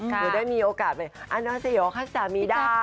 หรือได้มีโอกาสไปอันด้าเซโยคัสตามีด้า